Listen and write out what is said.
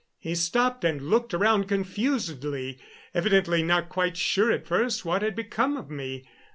He stopped and looked around confusedly, evidently not quite sure at first what had become of me.